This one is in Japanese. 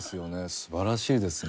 素晴らしいですね。